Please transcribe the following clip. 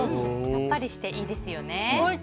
さっぱりしていいですよね。